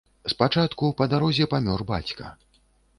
Спачатку па дарозе памёр бацька.